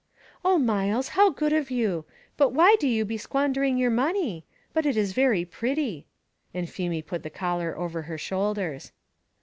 "Oh, Myles, how good of you! but why do you be squandering your money; but it is very pretty," and Feemy put the collar over her shoulders.